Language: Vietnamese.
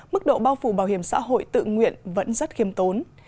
mức độ bao phủ bảo hiểm xã hội tự nguyện vẫn rất khiêm tốn